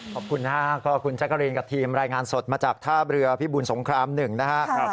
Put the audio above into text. ขอบคุณค่ะก็ขอบคุณแจ๊กรีนกับทีมรายงานสดมาจากทาบเรือพิบูรสงครามหนึ่งนะคะ